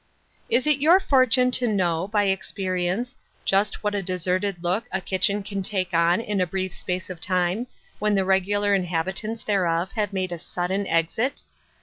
Is it your fortune to know, by experience, just what a deserted look a kitchen can take on in a brief space of time, when the regular inhabi tants thereof have made a sudden exit